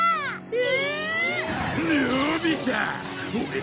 え？